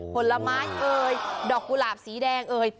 ผลไม้เอ่ยดอกกุหลาบสีแดงเอ่ย